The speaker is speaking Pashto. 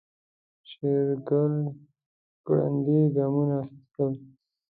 شېرګل ګړندي ګامونه اخيستل.